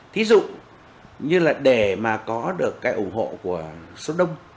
thí dụ như là để mà có được cái ủng hộ của số đông